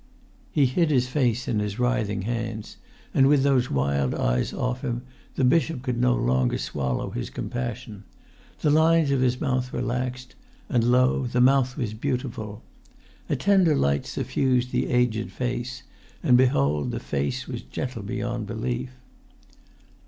He hid his face in his writhing hands; and, with those wild eyes off him, the bishop could no longer swallow his compassion. The lines of his mouth relaxed, and lo, the mouth was beautiful. A tender light suffused the aged face, and behold, the face was gentle beyond belief.